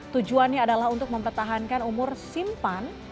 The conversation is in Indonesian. tujuannya adalah untuk mempertahankan umur simpan